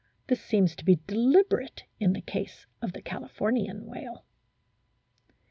This seems to be deliberate in the case of the Californian whale. (See p.